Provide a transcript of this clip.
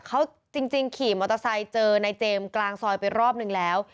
เขาจริงขี่มอเตอร์ไซค์เจอนายเจมส์กลางซอยไปรอบนึงแล้ว